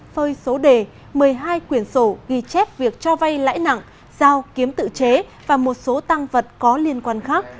hai trăm ba mươi tám phơi số đề một mươi hai quyển sổ ghi chép việc cho vay lãi nặng giao kiếm tự chế và một số tăng vật có liên quan khác